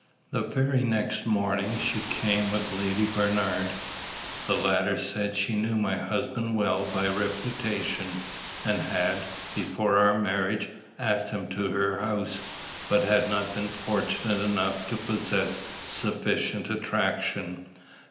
The very next morning she came with Lady Bernard. The latter said she knew my husband well by reputation, and had, before our marriage, asked him to her house, but had not been fortunate enough to possess sufficient attraction.